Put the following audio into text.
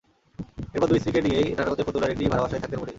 এরপর দুই স্ত্রীকে নিয়েই নারায়ণগঞ্জের ফতুল্লার একটি ভাড়া বাসায় থাকতেন মনির।